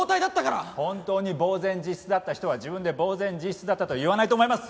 本当に茫然自失だった人は自分で茫然自失だったとは言わないと思います！